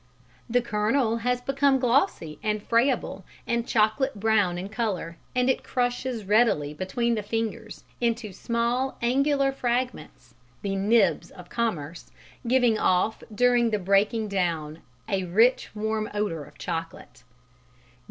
The kernel has become glossy and friable and chocolate brown in colour, and it crushes readily between the fingers into small angular fragments (the "nibs" of commerce), giving off during the breaking down a rich warm odour of chocolate.